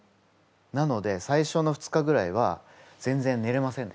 なので最初の２日ぐらいは全然ねれませんでした。